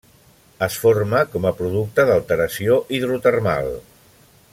Es forma com a producte d'alteració hidrotermal.